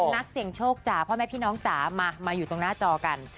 นักเสี่ยงโชคจ้ะพ่อแม่พี่น้องจ๋ามามาอยู่ตรงหน้าจอกัน